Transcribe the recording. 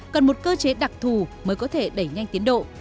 cần một cơ chế đặc thù mới có thể đẩy nhanh tiến độ